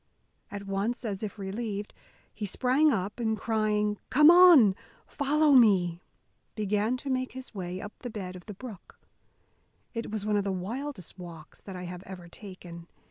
At once, as if relieved, he sprang up, and crying, "Come on, follow me!" began to make his way up the bed of the brook. It was one of the wildest walks that I have ever taken.